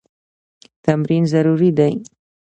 تمرین ضروري دی.